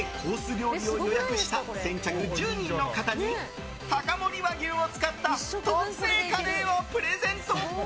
料理を予約した先着１０人の方に高森和牛を使った特製カレーをプレゼント。